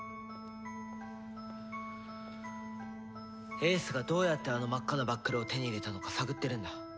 英寿がどうやってあの真っ赤なバックルを手に入れたのか探ってるんだ。